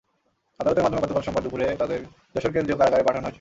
আদালতের মাধ্যমে গতকাল সোমবার দুপুরে তাঁদের যশোর কেন্দ্রীয় কারাগারে পাঠানো হয়েছে।